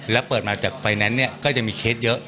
แล้วเปิดมาจากไฟแนนซ์ก็ยังมีเคสเยอะ